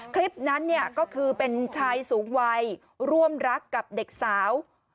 คลิปนั้นเนี่ยก็คือเป็นชายสูงวัยร่วมรักกับเด็กสาว